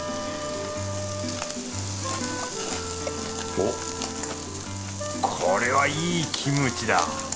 おっこれはいいキムチだ。